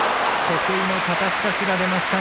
得意の肩すかしが出ました